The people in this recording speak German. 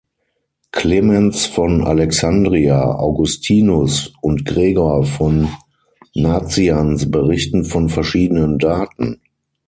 Clemens von Alexandria, Augustinus und Gregor von Nazianz berichten von verschiedenen Daten.